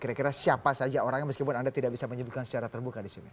kira kira siapa saja orangnya meskipun anda tidak bisa menyebutkan secara terbuka disini